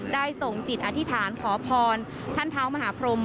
ได้ส่งจิตอธิษฐานขอพรท่านเท้ามหาพรม